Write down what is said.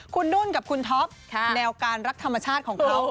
คุณนุ่นกับคุณท็อปแนวการรักธรรมชาติของเขา